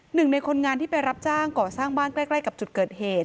หนึ่งในคนงานที่ไปรับจ้างก่อสร้างบ้านใกล้กับจุดเกิดเหตุ